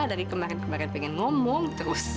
dari kemarin kemarin pengen ngomong terus